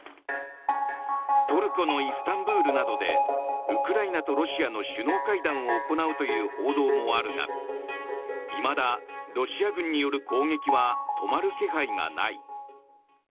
トルコのイスタンブールなどでウクライナとロシアの首脳会談を行うという報道もあるがいまだ、ロシア軍による攻撃は止まる気配がない。